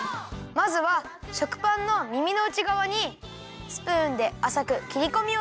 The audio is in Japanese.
まずは食パンのみみのうちがわにスプーンであさくきりこみをいれるよ！